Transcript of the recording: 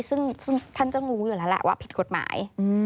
ซึ่งท่านก็รู้อยู่แล้วแหละว่าผิดกฎหมาย